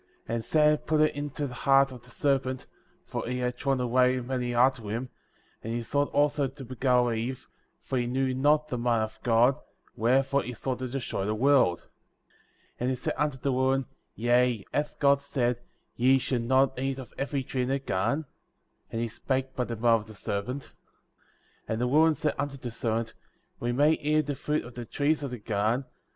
6. And Satan put it into the heart of the ser pent, (for he had drawn away many after him/) and he sought also to beguile Eve, for he knew not the mind of God, wherefore he sought to destroy the world. 7. And he Said unto the woman : Yea, hath God said — Ye shall not eat of every tree of the garden? (And he spake by the mouth of the serpent.) 8. And the woman said unto the serpent: We may eat of the fruit of the trees of the garden ; 9.